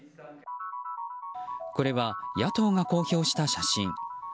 これは野党が公表した写真。